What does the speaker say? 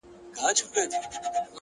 لوړ هدفونه لویې قربانۍ غواړي.!